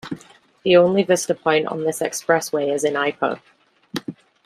The only vista point on this expressway is in Ipoh.